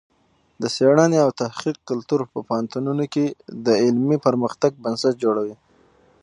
د څېړنې او تحقیق کلتور په پوهنتونونو کې د علمي پرمختګ بنسټ جوړوي.